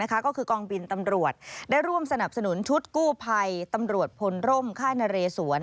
ก็คือกองบินตำรวจได้ร่วมสนับสนุนชุดกู้ภัยตำรวจพลร่มค่ายนเรสวน